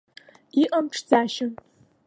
Иҟам ҽӡашьа.